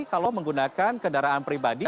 kalau menggunakan kendaraan pribadi